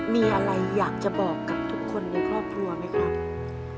มีอะไรอยากจะบอกกับทุกคนในครอบครัวไหมครับ